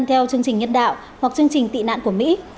theo chương trình nhân đạo hoặc chương trình tị nạn của mỹ